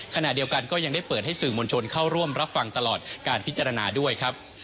ขณะเดียวกันก็ยังได้เปิดให้สื่อมวลชนเข้าร่วมรับฟังตลอดการพิจารณาด้วยครับ